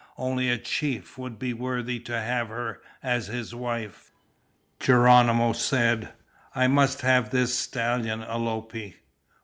Only a chief would be worthy to have her as his wife. Geronimo said, "I must have this stallion, Alope."